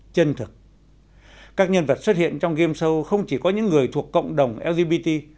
chân thực các nhân vật xuất hiện trong game show không chỉ có những người thuộc cộng đồng lgbt